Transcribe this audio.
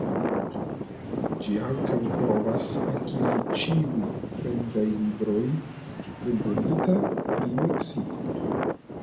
Ĝi ankaŭ provas akiri ĉiuj fremdaj libroj eldonita pri Meksiko.